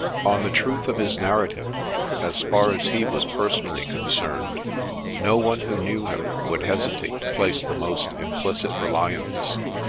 On the truth of his narrative, as far as he was personally con cerned, no one who knew him would hesitate to place the most implicit reliance.